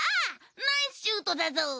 ナイスシュートだぞう！